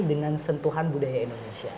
dengan sentuhan budaya indonesia